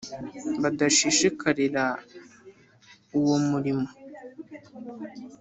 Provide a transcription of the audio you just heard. badashishika rira uwo muri mo